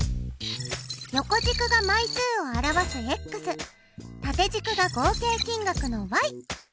横軸が枚数を表す縦軸が合計金額の。